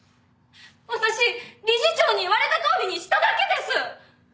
私理事長に言われたとおりにしただけです！